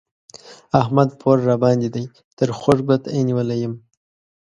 احمد پور راباندې دی؛ تر خوږ ګوته يې نيولی يم